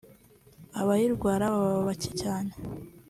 abayirwara baba bacye cyane